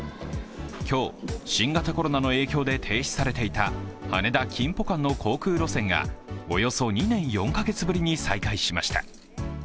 今日、新型コロナの影響で停止されていた羽田−キンポ間の航空路線がおよそ２年４カ月ぶりに再開しました。